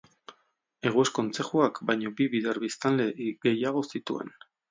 Egues kontzejuak baino bi bider biztanle gehiago zituen.